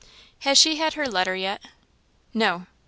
"Has she had her letter yet?" "No."